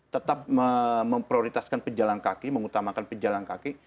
tetap memprioritaskan pejalan kaki mengutamakan pejalan kaki